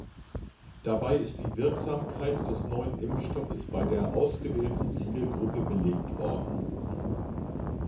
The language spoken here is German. Dabei ist die Wirksamkeit des neuen Impfstoffes bei der ausgewählten Zielgruppe belegt worden.